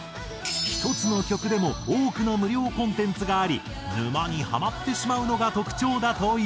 １つの曲でも多くの無料コンテンツがあり沼にハマってしまうのが特徴だという。